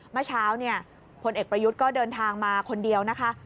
เมื่อเช้าเนี่ยพลเอกประยุทธ์ก็เดินทางมาคนเดียวนะคะ